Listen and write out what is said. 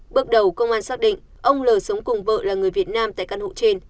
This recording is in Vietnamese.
bước đầu công an xác định ông l sống cùng vợ là người việt nam tại căn hộ trên